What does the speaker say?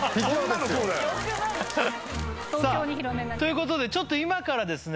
さあという事でちょっと今からですね